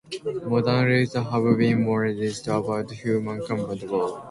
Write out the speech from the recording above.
Modern reviewers have been more negative about "Human Cannonball".